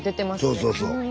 そうそうそう。